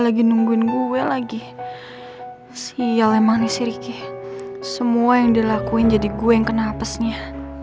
lagi nungguin gue lagi siyal emang nih si ricky semua yang dilakuin jadi gue yang kena apesnya